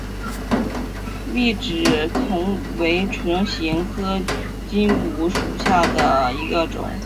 痢止蒿为唇形科筋骨草属下的一个种。